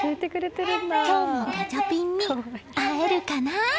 今日もガチャピンに会えるかな？